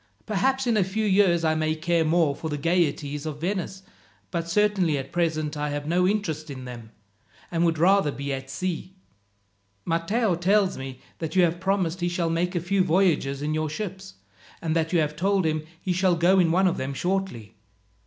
Perhaps in a few years I may care more for the gaieties of Venice, but certainly at present I have no interest in them, and would rather be at sea. Matteo tells me that you have promised he shall make a few voyages in your ships, and that you have told him he shall go in one of them shortly.